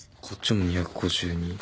こっちも２５２。